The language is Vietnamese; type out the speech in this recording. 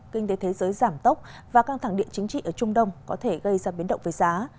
kinh tế thế giới giảm tốc và căng thẳng địa chính trị ở trung đông có thể gây ra biến động về giá